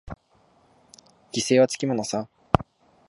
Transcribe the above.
犠牲はつきものさ。